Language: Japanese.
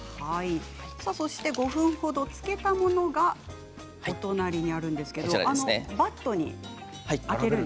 そして５分ほど漬けたものがお隣にあるんですけどバットにあけるんですね。